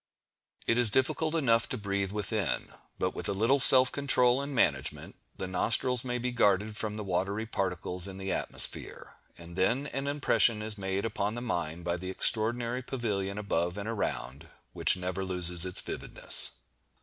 It is difficult enough to breathe within; but with a little self control and management, the nostrils may be guarded from the watery particles in the atmosphere, and then an impression is made upon the mind by the extraordinary pavilion above and around, which never loses its vividness.